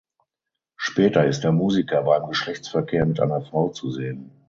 Später ist der Musiker beim Geschlechtsverkehr mit einer Frau zu sehen.